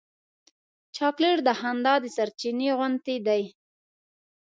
چاکلېټ د خندا د سرچېنې غوندې دی.